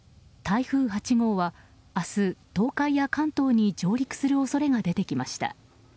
台風８号は明日、東海や関東に上陸する恐れが出てきました。